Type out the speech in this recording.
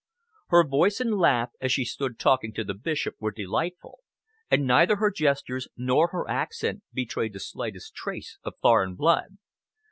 Her voice and laugh, as she stood talking to the Bishop, were delightful, and neither her gestures nor her accent betrayed the slightest trace of foreign blood.